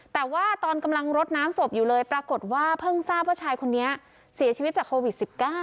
แต่ว่าตอนกำลังรดน้ำศพอยู่เลยปรากฏว่าเพิ่งทราบว่าชายคนนี้เสียชีวิตจากโควิด๑๙